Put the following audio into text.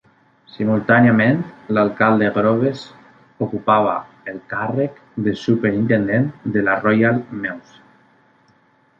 Simultàniament, l'alcalde Groves ocupava el càrrec de superintendent de la Royal Mews.